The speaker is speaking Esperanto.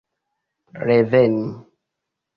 reveni